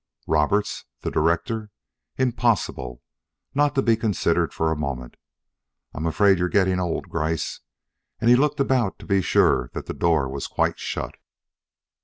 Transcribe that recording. "Roberts the director! Impossible! Not to be considered for a moment. I'm afraid you're getting old, Gryce." And he looked about to be sure that the door was quite shut.